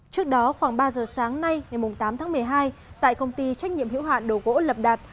trước đó khoảng ba giờ sáng nay ngày tám tháng một mươi hai tại công ty trách nhiệm hiệu hạn đồ gỗ lập đạt